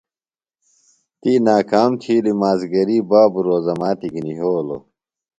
تی ناکام تِھیلیۡ۔ مازِگری بابوۡ روزہ ماتی گِھنیۡ یھولوۡ۔